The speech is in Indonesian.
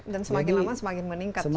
dan semakin lama semakin meningkat juga